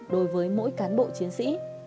đối với mỗi cán bộ chiến sĩ